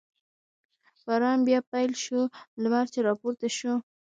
باران بیا پیل شو، لمر چې را پورته شو.